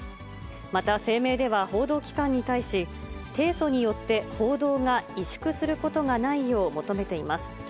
また声明では、報道機関に対し、提訴によって報道が萎縮することがないよう求めています。